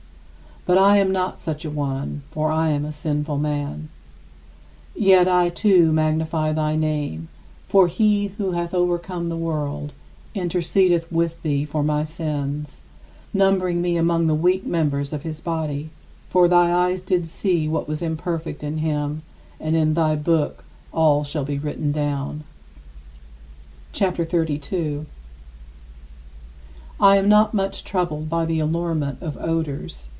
But I am not such a one, "for I am a sinful man." Yet I too magnify thy name, for he who hath "overcome the world" intercedeth with thee for my sins, numbering me among the weak members of his body; for thy eyes did see what was imperfect in him, and in thy book all shall be written down. CHAPTER XXXII 48. I am not much troubled by the allurement of odors.